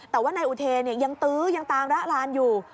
แต่ว่านายอุเทยังตื้อยังตามระลานอยู่